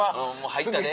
入ったで。